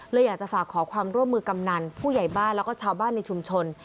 ร่วมมือกำนันผู้ใหญ่บ้านแล้วก็ชาวบ้านในชุมชน